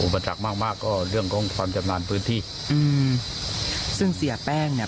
ประจักษ์มากมากก็เรื่องของความชำนาญพื้นที่อืมซึ่งเสียแป้งเนี้ย